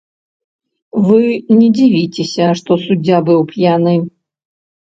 Вы не дзівіцеся, што суддзя быў п'яны.